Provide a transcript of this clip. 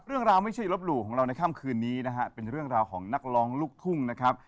เรื่องราวไม่เชื่ออย่ารับรู้ของเราในค่ำคืนนี้นะฮะเป็นเรื่องราวของนักร้องลูกทุ่งนะครับ